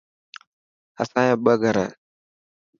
اسايا ٻه گھر هي.